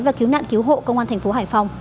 và cứu nạn cứu hộ công an thành phố hải phòng